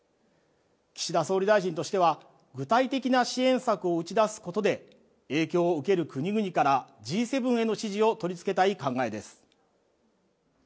岸田総理大臣としては、具体的な支援策を打ち出すことで、影響を受ける国々からＧ７への支持を取り付けたい考えです。